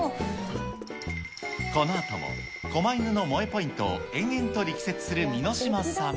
このあとも、こま犬の萌えポイントを延々と力説するミノシマさん。